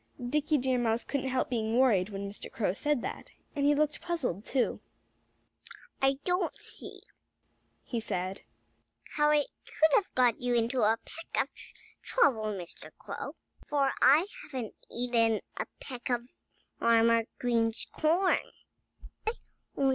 Dickie Deer Mouse couldn't help being worried when Mr. Crow said that. And he looked puzzled, too. "I don't see," he said, "how I could have got you into a peck of trouble, Mr. Crow, for I haven't eaten a peck of Farmer Green's corn.